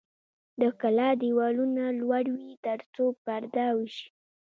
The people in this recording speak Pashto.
د کلا دیوالونه لوړ وي ترڅو پرده وشي.